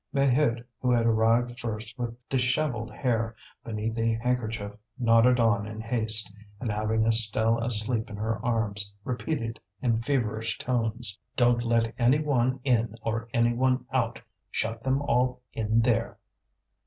Maheude, who had arrived first with dishevelled hair beneath a handkerchief knotted on in haste, and having Estelle asleep in her arms, repeated in feverish tones: "Don't let any one in or any one out! Shut them all in there!"